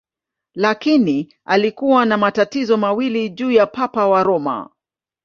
Lakini alikuwa na matatizo mawili juu ya Papa wa Roma.